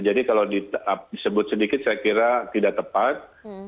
jadi kalau disebut sedikit saya kira tidak tepat